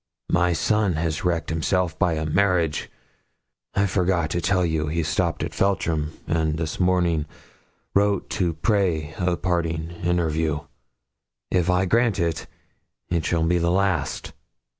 My son has wrecked himself by a marriage. I forgot to tell you he stopped at Feltram, and this morning wrote to pray a parting interview. If I grant it, it shall be the last.